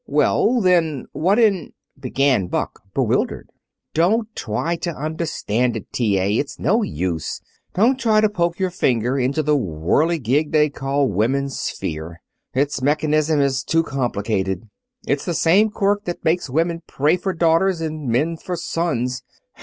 "Well then, what in " began Buck, bewildered. "Don't try to understand it, T.A. It's no use. Don't try to poke your finger into the whirligig they call 'Woman's Sphere.' Its mechanism is too complicated. It's the same quirk that makes women pray for daughters and men for sons.